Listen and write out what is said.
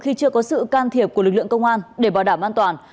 khi chưa có sự can thiệp của lực lượng công an để bảo đảm an toàn